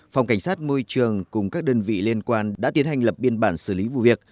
phòng cảnh sát môi trường cùng các đơn vị liên quan đã tiến hành lập biên bản xử lý vụ việc